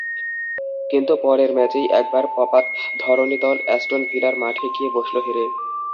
কিন্তু পরের ম্যাচেই একেবারে পপাত ধরণিতল, অ্যাস্টন ভিলার মাঠে গিয়ে বসল হেরে।